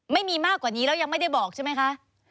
ไม่มีมากกว่านี้แล้วยังไม่ได้บอกใช่ไหมคะ